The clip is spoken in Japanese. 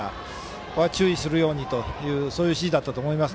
ここは注意するようにという指示だったと思います。